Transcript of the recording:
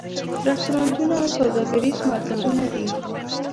رستورانتونه او سوداګریز مرکزونه دي.